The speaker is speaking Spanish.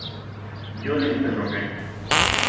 yo le interrogué: